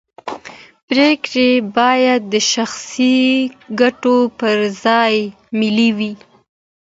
پرېکړې باید د شخصي ګټو پر ځای ملي وي